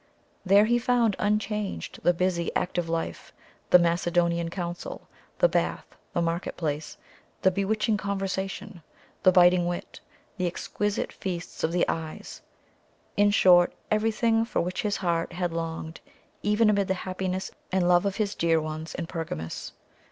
There he found unchanged the busy, active life, the Macedonian Council, the bath, the marketplace, the bewitching conversation, the biting wit, the exquisite feasts of the eyes in short, everything for which his heart had longed even amid the happiness and love of his dear ones in Pergamus.